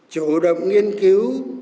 chủ động nghiên cứu